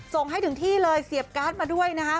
ส่งให้ถึงที่เลยเสียบการ์ดมาด้วยนะคะ